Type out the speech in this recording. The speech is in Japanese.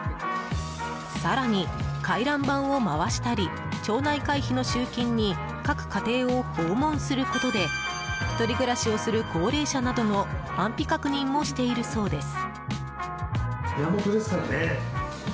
更に、回覧板を回したり町内会費の集金に各家庭を訪問することで１人暮らしをする高齢者などの安否確認もしているそうです。